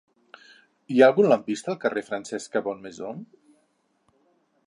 Hi ha algun lampista al carrer de Francesca Bonnemaison?